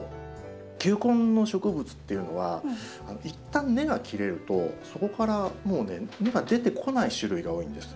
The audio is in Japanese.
球根の植物っていうのはいったん根が切れるとそこからもう根が出てこない種類が多いんです。